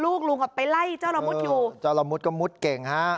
ลุงลุงอ่ะไปไล่เจ้าละมุดอยู่เจ้าละมุดก็มุดเก่งฮะ